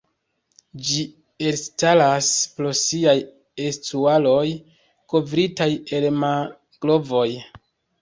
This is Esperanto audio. Ĝi elstaras pro siaj estuaroj kovritaj el mangrovoj.